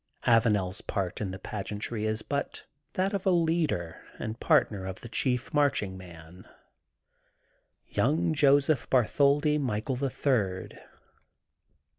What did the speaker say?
AvanePs part in the pageantry is but that of a leader and partner of the chief marching man, young Joseph Bartholdi Michael, the Third.